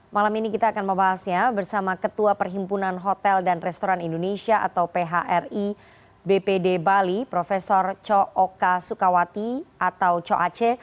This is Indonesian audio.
malam ini kita akan membahasnya bersama ketua perhimpunan hotel dan restoran indonesia atau phri bpd bali prof co oka sukawati atau coace